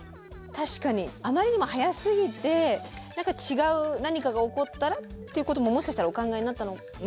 確かにあまりにも早すぎて違う何かが起こったらっていうことももしかしたらお考えになったのかも。